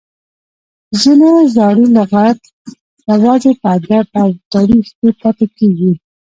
ځینې زاړي لغات یوازي په ادب او تاریخ کښي پاته کیږي.